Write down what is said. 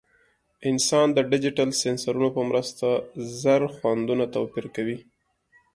انسان د ډیجیټل سینسرونو په مرسته زر خوندونه توپیر کوي.